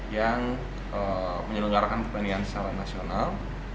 yang menyelenggarakan pertanian secara nasional